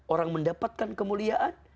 orang mendapatkan kemuliaan